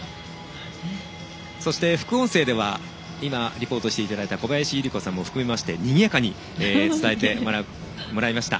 そして副音声では今、リポートしていただいた小林祐梨子さん含めにぎやかに伝えてもらいました。